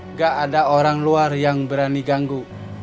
nggak ada orang luar yang berani ganggu